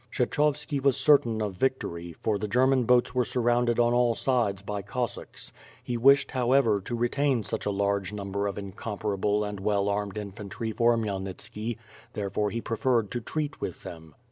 Kshekovski was certain of victory, for the German boats were surrounded on all sides by Cossacks, lie wished, how ever, to retain such a large number of incomparable and well armed infantry for Khmyelnitski, therefore he preferred to treat with them.